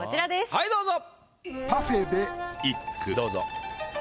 はいどうぞ。